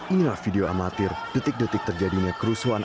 inilah video amatir detik detik terjadinya kerusuhan